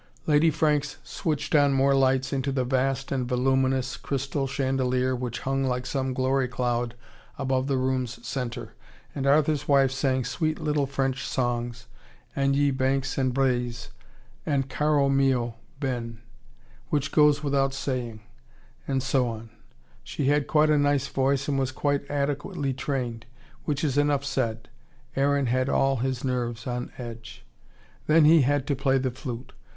Lady Franks switched on more lights into the vast and voluminous crystal chandelier which hung like some glory cloud above the room's centre. And Arthur's wife sang sweet little French songs, and Ye Banks and Braes, and Caro mio ben, which goes without saying: and so on. She had quite a nice voice and was quite adequately trained. Which is enough said. Aaron had all his nerves on edge. Then he had to play the flute.